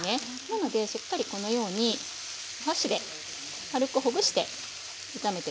なのでしっかりこのようにお箸で軽くほぐして炒めて下さい。